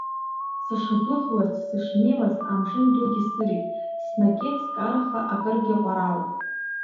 Сышгәыӷуаз, сышнеиуаз, амшын дугьы сырит, снакьеит скараха акыргьы ҟәарала…